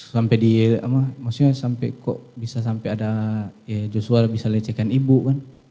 sampai dia maksudnya kok bisa sampai ada joshua bisa lecehkan ibu kan